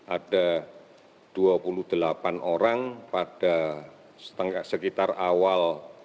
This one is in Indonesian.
ada dua puluh delapan orang pada sekitar awal